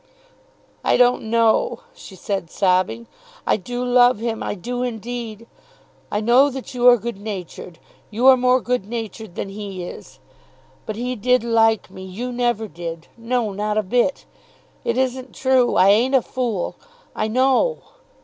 "I don't know," she said, sobbing. "I do love him; I do indeed. I know that you are good natured. You are more good natured than he is. But he did like me. You never did; no; not a bit. It isn't true. I ain't a fool. I know.